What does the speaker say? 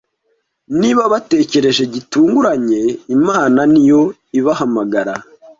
niba batekereje gitunguranye imana niyo ibahamagara